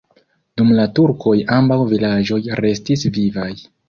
Dum la turkoj ambaŭ vilaĝoj restis vivaj.